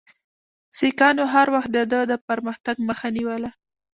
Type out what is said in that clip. سیکهانو هر وخت د ده د پرمختګ مخه نیوله.